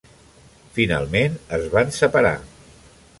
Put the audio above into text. Finalment es van separar.